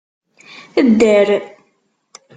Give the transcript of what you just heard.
Dder!